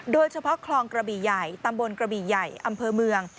โดยเฉพาะคลองกระบี่ใหญ่ตำบลกระบี่ใหญ่อำเภอเมือง